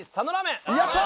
やった！